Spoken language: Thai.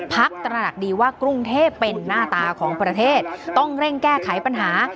ตระหนักดีว่ากรุงเทพเป็นหน้าตาของประเทศต้องเร่งแก้ไขปัญหา